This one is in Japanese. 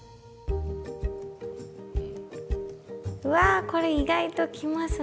わこれ意外ときますね。